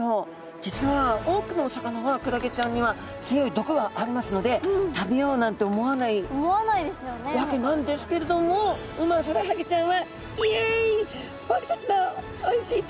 実は多くのお魚はクラゲちゃんには強い毒がありますので食べようなんて思わないわけなんですけれどもウマヅラハギちゃんは。